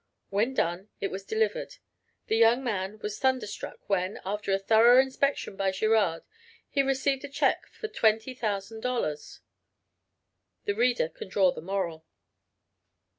When done it was delivered. The young man was thunderstruck when, after a thorough inspection by Girard, he received a check for $20,000; the reader can draw the moral.